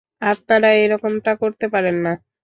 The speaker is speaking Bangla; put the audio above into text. আপনারা এরকমটা করতে পারেন না!